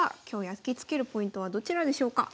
やきつけるポイントはどちらでしょうか？